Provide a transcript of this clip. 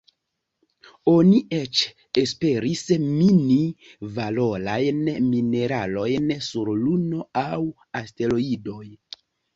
Oni eĉ esperis mini valorajn mineralojn sur Luno aŭ asteroidoj.